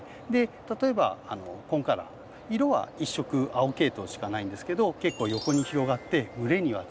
例えばコンカラー色は１色青系統しかないんですけど結構横に広がって蒸れには強い。